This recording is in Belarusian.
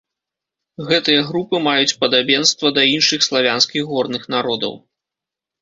Гэтыя групы маюць падабенства да іншых славянскіх горных народаў.